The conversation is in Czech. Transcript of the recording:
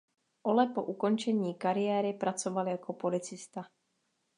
Ole po ukončení kariéry pracoval jako policista.